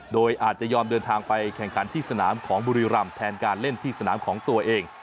โดยอาจจะยอมเดินทางไปแข่งขันที่สนามของบุรีรำแทนการเล่นที่สนามของตัวเอง